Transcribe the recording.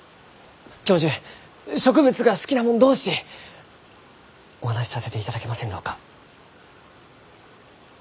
教授植物が好きな者同士お話しさせていただけませんろうか？